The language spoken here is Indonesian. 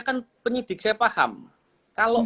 kan penyidik saya paham kalau